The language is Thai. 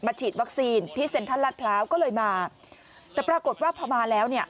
ฉีดวัคซีนที่เซ็นทรัลลาดพร้าวก็เลยมาแต่ปรากฏว่าพอมาแล้วเนี่ย